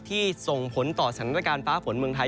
ส่งผลต่อสถานการณ์ฟ้าฝนเมืองไทย